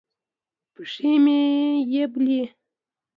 پښې مې یبلي